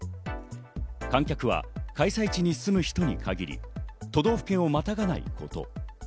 観客は開催地に住む人に限り、都道府県をまたがないこと。